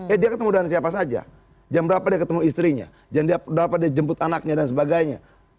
eh dia ketemu dengan siapa saja jam berapa dia ketemu istrinya berapa dia jemput anaknya dan sebagainya